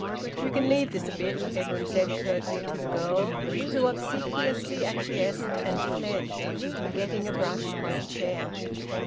"You can leave this a bit," Edwin said curtly to the girl, who obsequiously acquiesced and fled, forgetting a brush on a chair.